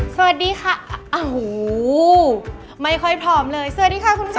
สวัสดีค่ะโอ้โหไม่ค่อยพร้อมเลยสวัสดีค่ะคุณผู้ชม